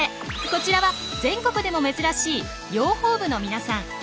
こちらは全国でも珍しい養蜂部の皆さん。